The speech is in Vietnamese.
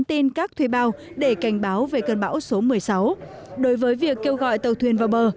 tin các thuê bao để cảnh báo về cơn bão số một mươi sáu đối với việc kêu gọi tàu thuyền vào bờ